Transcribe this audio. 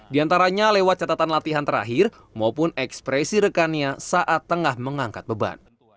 di antaranya lewat catatan latihan terakhir maupun ekspresi rekannya saat tengah mengangkat beban